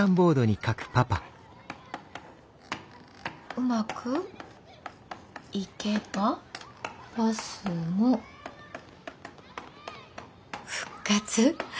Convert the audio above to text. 「うまくいけばバスも復活」。